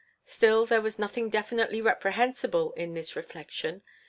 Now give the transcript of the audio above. Still, there was nothing definitely reprehensible in this reflection.